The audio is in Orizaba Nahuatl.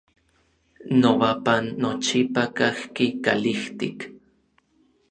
Nobapan nochipa kajki kalijtik.